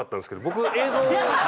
僕映像。